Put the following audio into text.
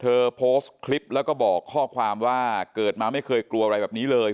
โพสต์คลิปแล้วก็บอกข้อความว่าเกิดมาไม่เคยกลัวอะไรแบบนี้เลย